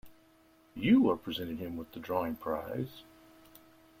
You are presenting him with the drawing prize.